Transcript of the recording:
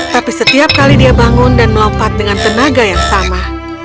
tapi setiap kali dia bangun dan melompat dengan tenaga yang sama